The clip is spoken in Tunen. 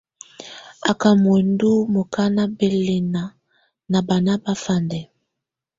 Á ká muǝndù mukana bɛlɛna nà bana bafandɛ.